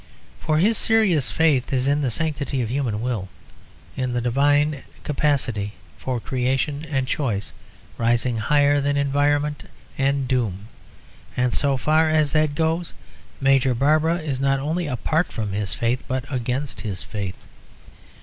For his serious faith is in the sanctity of human will, in the divine capacity for creation and choice rising higher than environment and doom; and so far as that goes, Major Barbara is not only apart from his faith but against his faith.